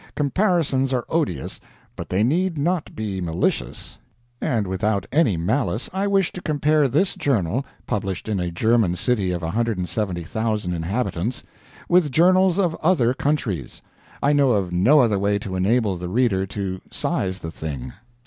Comparisons are odious, but they need not be malicious; and without any malice I wish to compare this journal, published in a German city of 170,000 inhabitants, with journals of other countries. I know of no other way to enable the reader to "size" the thing.